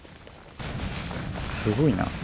すごいな。